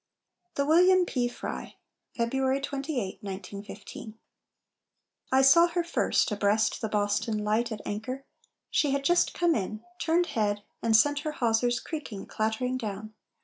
THE "WILLIAM P. FRYE" [February 28, 1915] I saw her first abreast the Boston Light At anchor; she had just come in, turned head, And sent her hawsers creaking, clattering down.